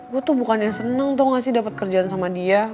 gue tuh bukan yang seneng tau gak sih dapet kerjaan sama dia